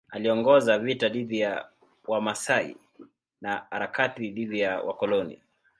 Aliongoza vita dhidi ya Wamasai na harakati dhidi ya wakoloni.